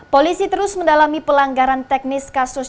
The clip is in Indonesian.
polisi terus mendalami pelanggaran teknis kasus